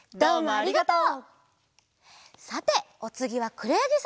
ありがとう。